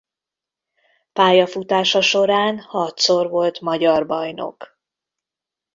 Pályafutása során hatszor volt magyar bajnok.